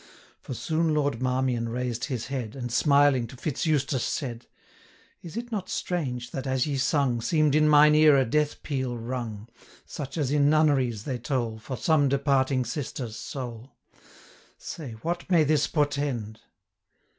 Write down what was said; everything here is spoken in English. For soon Lord Marmion raised his head, And, smiling, to Fitz Eustace said, 'Is it not strange, that, as ye sung, 210 Seem'd in mine ear a death peal rung, Such as in nunneries they toll For some departing sister's soul? Say, what may this portend?'